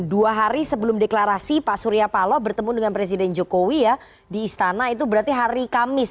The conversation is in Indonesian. dua hari sebelum deklarasi pak surya paloh bertemu dengan presiden jokowi ya di istana itu berarti hari kamis